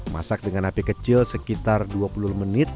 masak dengan api kecil sekitar dua puluh menit